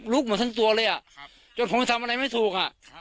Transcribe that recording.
ลุกหมดทั้งตัวเลยอ่ะครับจนผมทำอะไรไม่ถูกอ่ะครับ